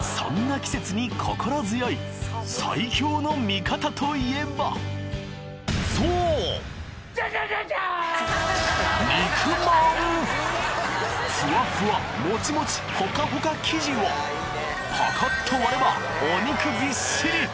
季節に心強い最強の味方といえばふわふわモチモチホカホカ生地をパカっと割ればお肉ぎっしり！